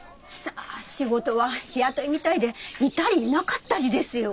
さあ仕事は日雇いみたいでいたりいなかったりですよ。